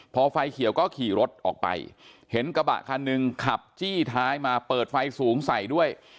พอไฟเขียวก็ขี่รถออกไปเห็นกระบะคันหนึ่งขับจี้ท้ายมาเปิดไฟสูงใส่ด้วย